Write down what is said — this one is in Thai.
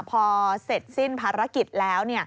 พอเสร็จสิ้นภารกิจแล้ว